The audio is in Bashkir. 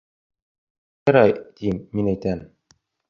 Ярай, тим, мин әйтәм.